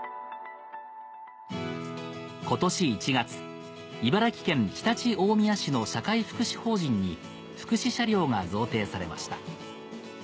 今年１月茨城県常陸大宮市の社会福祉法人に福祉車両が贈呈されました